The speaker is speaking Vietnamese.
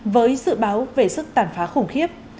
với dự báo về sức tàn phá khủng khiếp